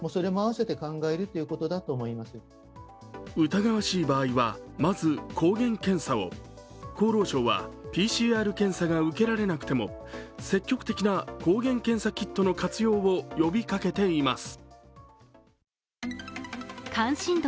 疑わしい場合は、まず抗原検査を厚労省はＰＣＲ検査が受けられなくても積極的な抗原検査キットの活用を呼びかけています。